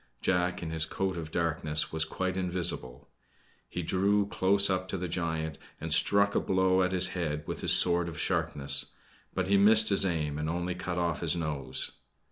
Jack, in his coat of darkness, was quite invisible. He drew close up to the giant and struck a blow at his head with his sword of sharpness; but he missed his aim and only cut off his nose.